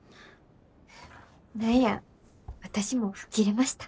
何や私も吹っ切れました。